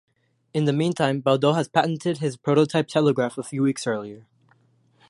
In the meantime, Baudot had patented his prototype telegraph a few weeks earlier.